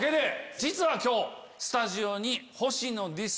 実は今日スタジオに。